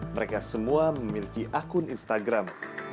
mereka semua memiliki akun instagram